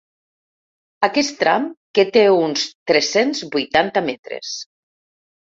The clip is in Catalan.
Aquest tram que té uns tres-cents vuitanta metres.